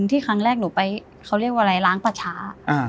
ที่ครั้งแรกหนูไปเขาเรียกว่าอะไรล้างประชา